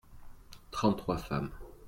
trente trois femmes.